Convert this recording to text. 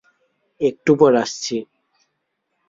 একটু পর আসছি।